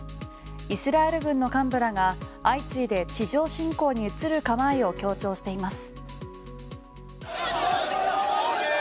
イスラエル軍の幹部らが相次いで地上侵攻に移る構えを強調しています。